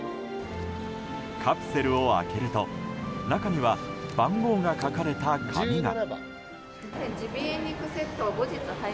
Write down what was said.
カプセルを開けると中には番号が書かれた紙が。